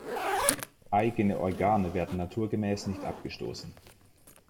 Eigene Organe werden naturgemäß nicht abgestoßen.